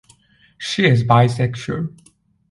She is bisexual.